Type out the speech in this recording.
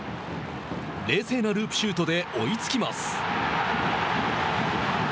冷静なループシュートで追いつきます。